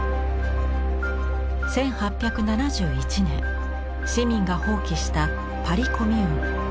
１８７１年市民が蜂起したパリ・コミューン。